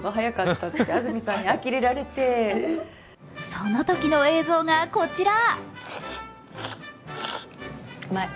そのときの映像が、こちら。